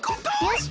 よし！